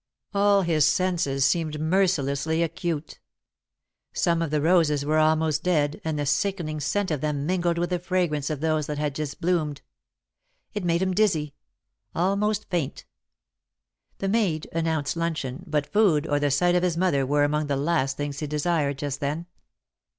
All his senses seemed mercilessly acute. Some of the roses were almost dead and the sickening scent of them mingled with the fragrance of those that had just bloomed. It made him dizzy almost faint. The maid announced luncheon, but food, or the sight of his mother were among the last things he desired, just then.